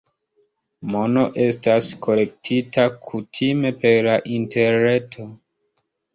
Mono estas kolektita kutime per la Interreto.